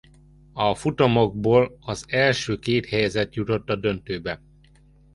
A futamokból az első két helyezett jutott a döntőbe.